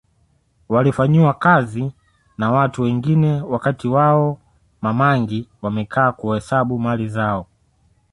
Walifanyiwa kazi na watu wengine wakati wao Ma mangi wamekaa kuhesabu mali zao